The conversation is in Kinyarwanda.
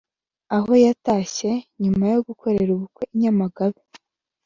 aho yatashye nyuma yo gukorera ubukwe i Nyamagabe